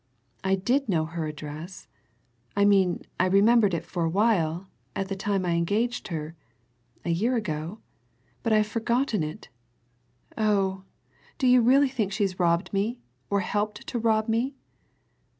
I did know her address I mean I remembered it for a while, at the time I engaged her a year ago, but I've forgotten it. Oh! do you really think she's robbed me, or helped to rob me?"